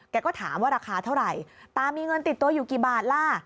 ก็ถามว่าราคาเท่าไหร่ตามีเงินติดตัวอยู่กี่บาทล่ะ